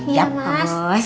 iya pak bos